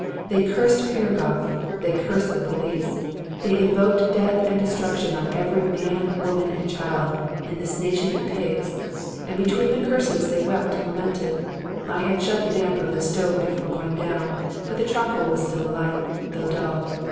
They cursed Piragoff, they cursed the police, they invoked death and destruction on every man, woman and child in this nation of pigs; and between the curses they wept and lamented. I had shut the damper of the stove before going down, but the charcoal was still alight, though dull.